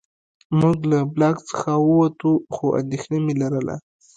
موږ له بلاک څخه ووتو خو اندېښنه مې لرله